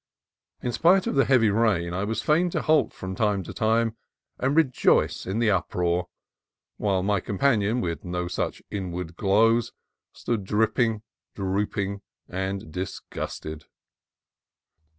In spite of the heavy rain I was fain to halt from time to time and rejoice in the uproar, while my companion, with no such inward glows, stood dripping, drooping, and dis gusted.